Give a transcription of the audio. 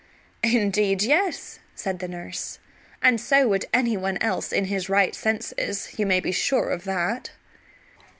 "Indeed, yes," said the nurse; "and so would any one else in his right senses. You may be sure of that."